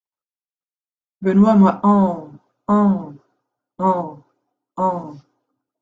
Benoît m'a en … en … en … en …